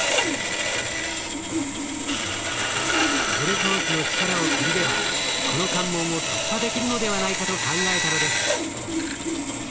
グルコースの力を借りればこの関門を突破できるのではないかと考えたのです。